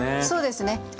そうですね